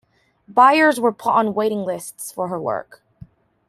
Buyers were put on waiting lists for her work.